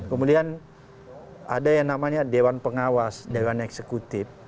kemudian ada yang namanya dewan pengawas dewan eksekutif